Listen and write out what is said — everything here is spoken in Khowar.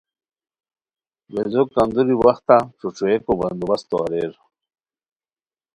ویزو کندوری وختہ ݯھوݯھوئیکو بندوبستو اریر